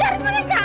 hai aku dibawangin